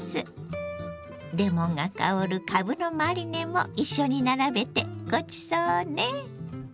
レモンが香るかぶのマリネも一緒に並べてごちそうね。